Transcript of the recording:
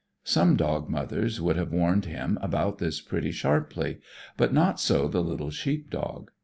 Some dog mothers would have warned him about this pretty sharply; but not so the little sheep dog.